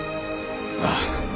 ああ。